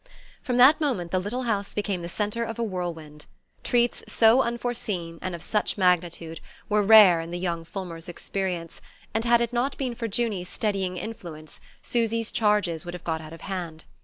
From that moment the little house became the centre of a whirlwind. Treats so unforeseen, and of such magnitude, were rare in the young Fulmers' experience, and had it not been for Junie's steadying influence Susy's charges would have got out of hand.